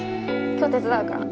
今日手伝うから。